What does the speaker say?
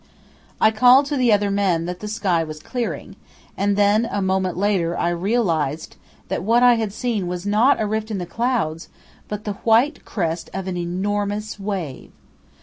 I called to the other men that the sky was clearing, and then a moment later I realized that what I had seen was not a rift in the clouds but the white crest of an enormous wave.